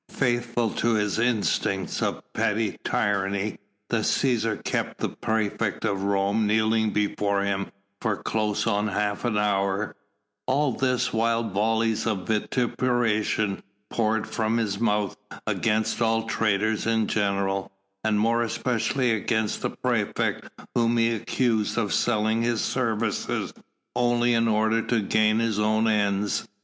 Faithful to his instincts of petty tyranny, the Cæsar kept the praefect of Rome kneeling before him for close on half an hour; all this while volleys of vituperations poured from his mouth against all traitors in general, and more especially against the praefect whom he accused of selling his services only in order to gain his own ends.